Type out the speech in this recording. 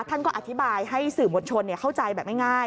ท่านก็อธิบายให้สื่อมวลชนเข้าใจแบบง่าย